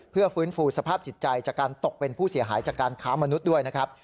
เพื่อฟื้นฟูสภาพจิตใจจากการตกเป็นผู้เสียหายจากการค้ามนุษย์ด้วยนะครับ